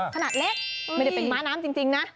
ขนาดเล็กไม่ได้เป็นม้าน้ำจริงนะ